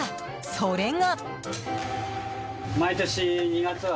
それが。